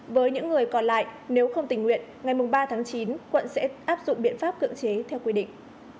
với những người còn lại nếu không tình nguyện ngày ba tháng chín quận sẽ áp dụng biện pháp cưỡng chế theo quy định